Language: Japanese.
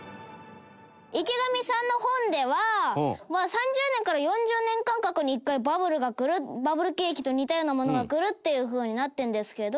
池上さんの本では３０年から４０年間隔に一回バブルがくるバブル景気と似たようなものがくるっていうふうになってるんですけれど。